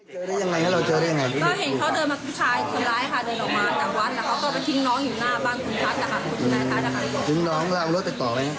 เจอได้อย่างไรเราเจอได้อย่างไร